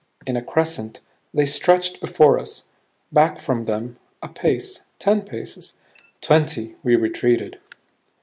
In a crescent, they stretched before us. Back from them, a pace, ten paces, twenty, we retreated.